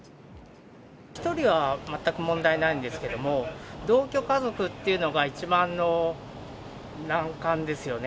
１人は全く問題ないんですけども、同居家族っていうのが一番の難関ですよね。